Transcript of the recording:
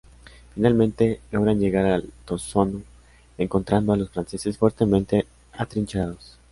Finalmente, logran llegar al Altozano encontrando a los franceses fuertemente atrincherados.